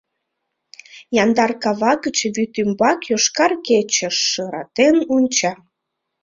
Яндар кава гыч вӱд ӱмбак йошкар кече шыратен онча.